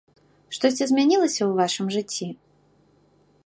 Штосьці змянілася ў вашым жыцці?